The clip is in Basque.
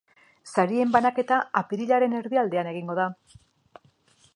Sarien banaketa apirilaren erdialdean egingo da.